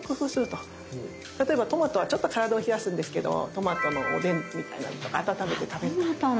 例えばトマトはちょっと体を冷やすんですけどトマトのおでんみたいなのとか温めて食べる。